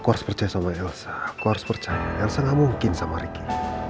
aku harus percaya sama elsa aku harus percaya yang sangat mungkin sama ricky